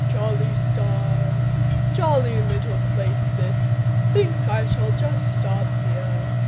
"Jolly stars! Jolly little place this! Think I shall just stop here.